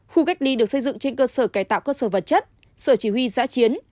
khu cách ly được xây dựng trên cơ sở cải tạo cơ sở vật chất sở chỉ huy giã chiến